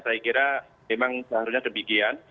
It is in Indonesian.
saya kira memang seharusnya demikian